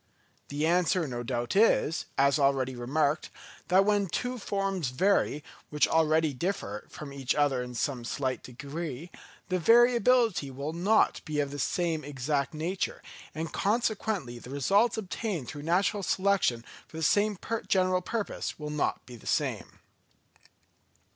The answer no doubt is, as already remarked, that when two forms vary, which already differ from each other in some slight degree, the variability will not be of the same exact nature, and consequently the results obtained through natural selection for the same general purpose will not be the same.